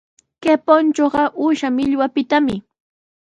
Kay punchuqa uusha millwapitami.